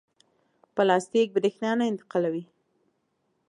پلاستیک برېښنا نه انتقالوي.